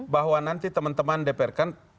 bahwa nanti teman teman dpr kan